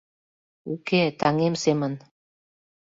Уке, таҥем семын.